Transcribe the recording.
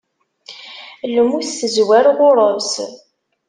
Lmut tezwar ɣur-s.